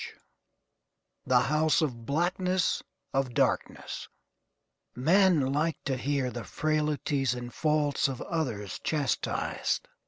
_" THE HOUSE OF BLACKNESS OF DARKNESS. Men like to hear the frailties and faults of others chastised.